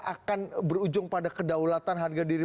akan berujung pada kedaulatan harga diri